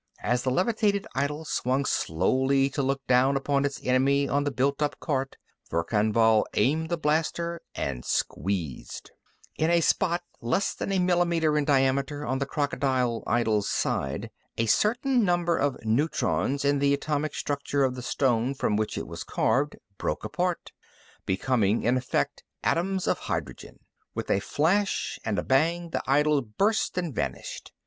As the levitated idol swung slowly to look down upon its enemy on the built up cart, Verkan Vall aimed the blaster and squeezed. In a spot less than a millimeter in diameter on the crocodile idol's side, a certain number of neutrons in the atomic structure of the stone from which it was carved broke apart, becoming, in effect, atoms of hydrogen. With a flash and a bang, the idol burst and vanished.